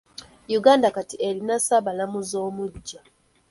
Uganda kati erina ssaabalamuzi omuggya.